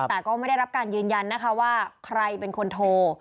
แต่ก็ไม่ได้รับการยืนยันนะคะว่าใครเป็นคนโทร